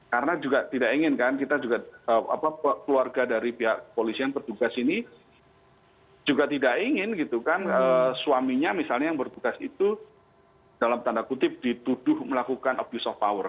karena juga tidak ingin kan kita juga apa keluarga dari pihak polisi yang petugas ini juga tidak ingin gitu kan suaminya misalnya yang petugas itu dalam tanda kutip dituduh melakukan abuse of power